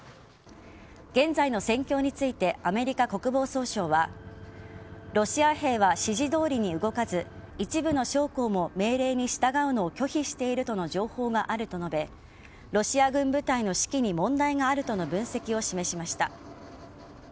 現在の戦況についてアメリカ国防総省はロシア兵は指示どおりに動かず一部の将校も命令に従うのを拒否しているとの情報があると述べロシア軍部隊の士気に問題があるとの分析を示しました。